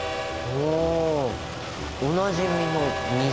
おおなじみの水